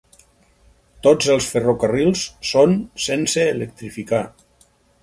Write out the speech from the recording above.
Tots els ferrocarrils són sense electrificar.